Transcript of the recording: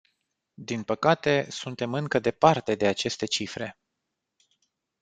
Din păcate, suntem încă departe de aceste cifre.